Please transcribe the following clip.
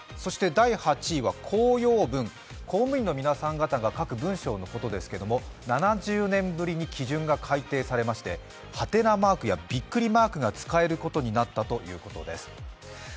第８位は公用文、公務員の皆さん方が書く文書のことですけれども、７０年ぶりに基準が改定されまして、ハテナマークやビックリマークが使えるようになったということです。